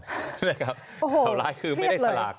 อะไรครับข่าวร้ายคือไม่ได้สลาก